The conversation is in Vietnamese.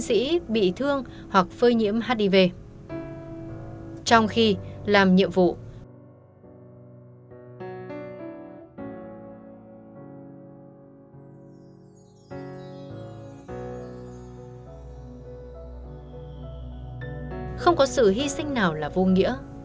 không có sự hy sinh nào là vô nghĩa